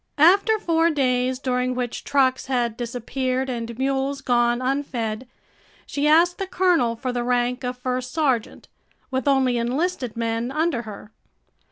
After four days, during which trucks had disappeared and mules gone unfed, she asked the colonel for the rank of first sergeant, with only enlisted men under her.